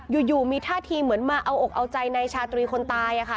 อยู่มีท่าทีเหมือนมาเอาอกเอาใจในชาตรีคนตายอะค่ะ